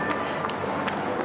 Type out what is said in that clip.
nenek jangan mati